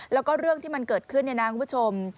แล้วก็เรื่องที่มันเกิดขึ้นคุณผู้ชม